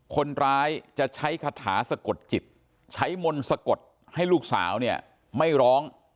คนร้ายจะใช้คาถาสะกดจิตใช้มนต์สะกดให้ลูกสาวเนี่ยไม่ร้อง